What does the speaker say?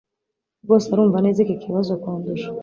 rwose arumva neza iki kibazo kundusha